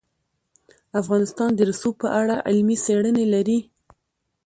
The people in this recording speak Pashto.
افغانستان د رسوب په اړه علمي څېړنې لري.